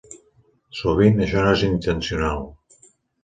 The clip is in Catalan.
Sovint, això no és intencional.